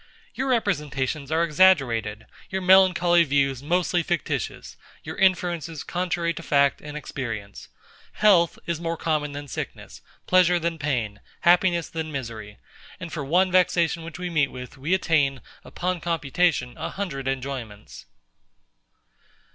Your representations are exaggerated; your melancholy views mostly fictitious; your inferences contrary to fact and experience. Health is more common than sickness; pleasure than pain; happiness than misery. And for one vexation which we meet with, we attain, upon computation, a hundred enjoyments.